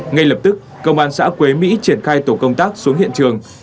ngay lập tức công an xã quế mỹ triển khai tổ công tác xuống hiện trường